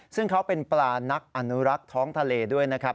ซึ่งเขาเป็นปลานักอนุรักษ์ท้องทะเลด้วยนะครับ